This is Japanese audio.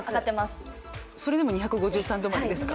それでも２５３止まりですか？